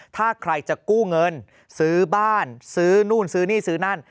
ถ้าใครจะกู้เงินซื้อบ้านซื้อนู่นซื้อนี่ซื้อนั่น